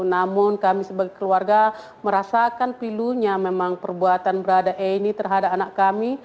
namun kami sebagai keluarga merasakan pilunya memang perbuatan berada e ini terhadap anak kami